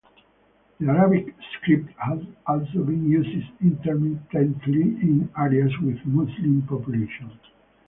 The Arabic script has also been used intermittently in areas with Muslim populations.